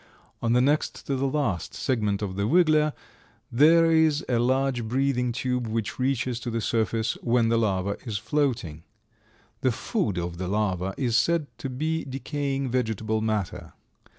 On the next to the last segment of the Wiggler there is a large breathing tube which reaches to the surface when the larva is floating. The food of the larva is said to be decaying vegetable matter.